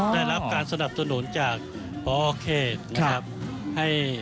ได้รับการสนับสนุนจากพอเขตนะครับ